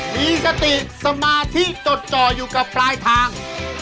มีสติสมาธิจดจ่ออยู่กับปลายทาง